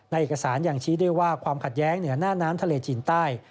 เอกสารยังชี้ด้วยว่าความขัดแย้งเหนือหน้าน้ำทะเลจีนใต้